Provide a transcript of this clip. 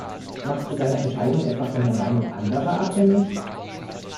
Machst du deine Entscheidung etwa von der Meinung anderer abhängig?